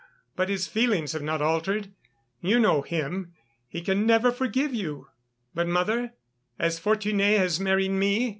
But his feelings have not altered; you know him, he can never forgive you." "But, mother, as Fortuné has married me